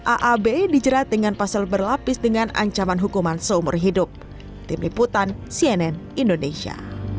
aab dijerat dengan pasal berlapis dengan ancaman hukuman seumur hidup tim liputan cnn indonesia